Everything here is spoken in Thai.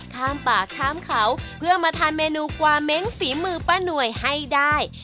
ข้ามป่าข้ามเขาเพื่อมาทานเมนูกวาเม้งฝีมือป้าหน่วยให้ได้